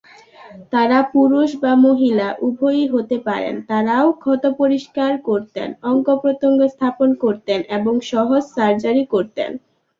তারা পুরুষ বা মহিলা উভয়ই হতে পারেন, তারাও ক্ষত পরিষ্কার করতেন, অঙ্গ-প্রত্যঙ্গ স্থাপন করতেন এবং সহজ সার্জারি করতেন।